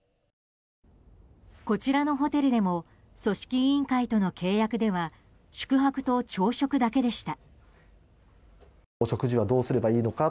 こちらのホテルでも組織委員会との契約では宿泊と朝食だけでした。